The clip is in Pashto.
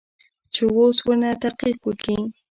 چې اوس ورنه تحقيق وکې.